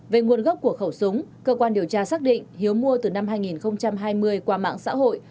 về nguồn gốc của khẩu súng cơ quan điều tra xác định hiếu mua từ năm hai nghìn hai mươi qua mạng xã hội